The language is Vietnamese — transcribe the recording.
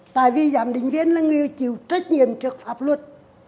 tại vì giám định viên là người chịu trách nhiệm trước pháp luật